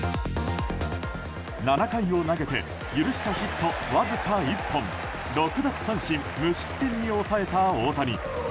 ７回を投げて許したヒットわずか１本６奪三振、無失点に抑えた大谷。